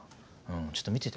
ちょっと見てて。